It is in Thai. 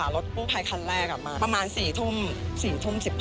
รถปุ๊บภายคันแรกมาประมาณ๔ทุ่ม๑๕น